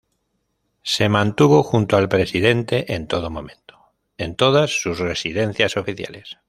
Se mantuvo junto al presidente en todo momento, en todas sus residencias oficiales.